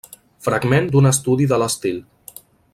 Fragment d'un estudi de l'estil.